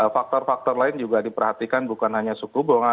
faktor faktor lain juga diperhatikan bukan hanya suku bunga